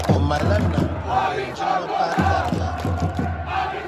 O mali la nam garo din jilma paai targa.